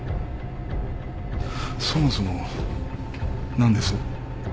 そもそも何です？